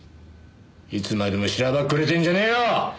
いつまでもしらばっくれてるんじゃねえよ！